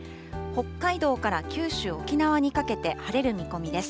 北海道から九州、沖縄にかけて晴れる見込みです。